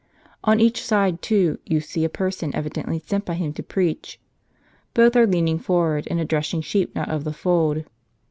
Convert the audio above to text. On each side too, you see a person evidently sent by Him to preach. Both are leaning forward, and Addressing sheep not of the fold.